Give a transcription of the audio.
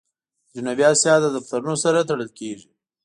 د جنوبي آسیا د دفترونو سره تړل کېږي.